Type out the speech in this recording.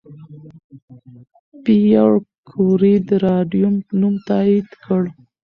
پېیر کوري د راډیوم نوم تایید کړ.